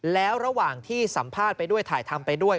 แล้วระหว่างที่สัมภาษณ์ไปด้วยถ่ายทำไปด้วย